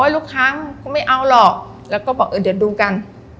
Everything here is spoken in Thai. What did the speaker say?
ลูกค้าก็ไม่เอาหรอกแล้วก็บอกเออเดี๋ยวดูกัน